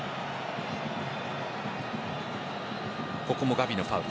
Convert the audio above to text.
ここもガヴィのファウル。